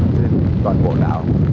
trên toàn bộ đảo